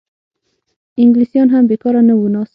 انګلیسیان هم بېکاره نه وو ناست.